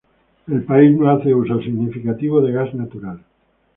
El país no hace uso significativo de gas natural.